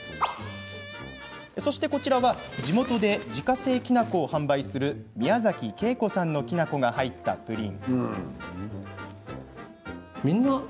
こちらは地元で自家製きな粉を販売する宮崎慶子さんのきな粉が入ったプリン。